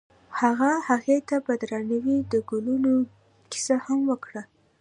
هغه هغې ته په درناوي د ګلونه کیسه هم وکړه.